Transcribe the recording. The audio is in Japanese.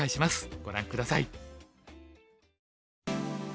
ご覧下さい。